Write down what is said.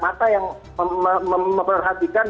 mata yang memperhatikan